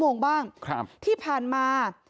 สวัสดีคุณผู้ชายสวัสดีคุณผู้ชาย